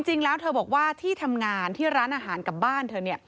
จริงแล้วเธอบอกว่าที่ทำงานที่ร้านอาหารกับบ้านเธอ